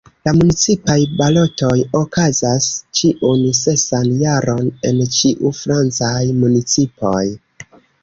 La municipaj balotoj okazas ĉiun sesan jaron en ĉiuj francaj municipoj.